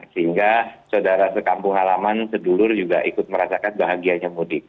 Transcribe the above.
sehingga saudara sekampung halaman sedulur juga ikut merasakan bahagianya mudik